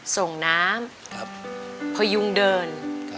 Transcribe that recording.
ส่งน้ำพยุงเดิน